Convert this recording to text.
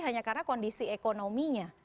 hanya karena kondisi ekonominya